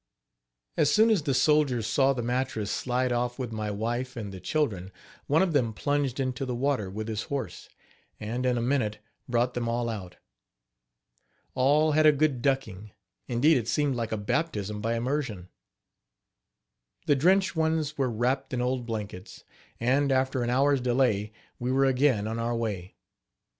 As soon as the soldiers saw the mattress slide off with my wife and the children, one of them plunged into the water with his horse, and, in a minute, brought them all out. All had a good ducking indeed it seemed like a baptism by immersion. The drenched ones were wrapped in old blankets; and, after an hour's delay, we were again on our way.